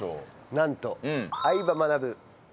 なんと。